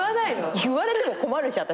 言われても困るし私。